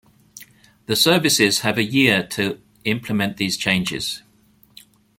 The services have a year to implement these changes.